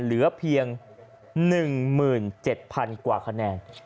เหลือเพียง๑๗๐๐กว่าคะแนน